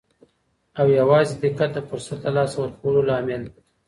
او یوازې دقت د فرصت له لاسه ورکولو لامل.